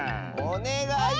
おねがい！